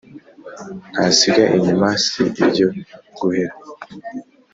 Ntasiga inyuma si iryo guhera.